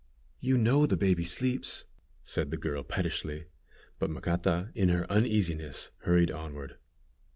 "You know the baby sleeps," said the girl, pettishly; but Macata, in her uneasiness, hurried onward.